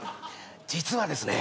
実はですね